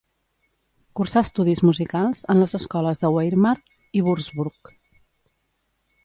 Cursà estudis musicals en les escoles de Weimar i Würzburg.